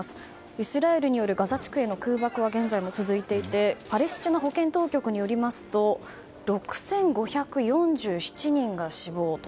イスラエルによるガザ地区への空爆は現在も続いていてパレスチナ保健当局によりますと６５４７人が死亡と。